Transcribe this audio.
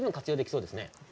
そうですね。